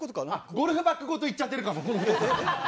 ゴルフバッグごといっちゃってるかも。